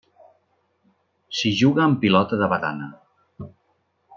S'hi juga amb pilota de badana.